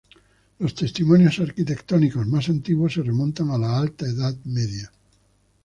Los testimonios arquitectónicos más antiguos se remontan a la Alta Edad Media.